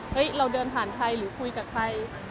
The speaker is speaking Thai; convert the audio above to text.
เราเดินผ่านใครหรือคุยกับใคร